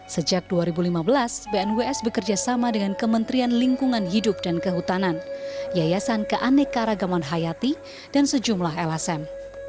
sejak dua ribu lima belas bnws bekerja sama dengan kementerian lingkungan hidup dan kehutanan yayasan keanekaragaman hayati dan sejumlah lsm